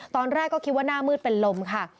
ตอนแรกก็คิดว่าหน้ามืดเป็นลมค่ะ